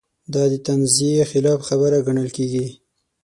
دا د تنزیې خلاف خبره ګڼل کېږي.